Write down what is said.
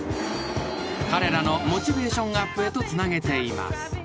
［彼らのモチベーションアップへとつなげています］